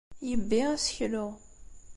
Yebbi aseklu.